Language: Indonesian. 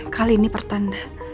kali ini pertanda